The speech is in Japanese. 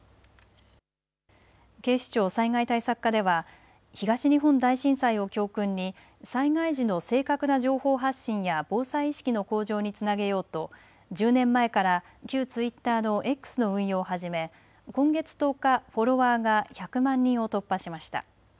警視庁災害対策課では東日本大震災を教訓に災害時の正確な情報発信や防災意識の向上につなげようと１０年前から旧ツイッターのＸの運用を始め今月１０日、フォロワーが１００万人を突破しました。